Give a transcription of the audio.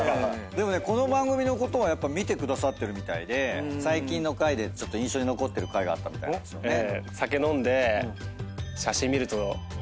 でもねこの番組のことは見てくださってるみたいで最近の回で印象に残ってる回があったみたいなんですよね。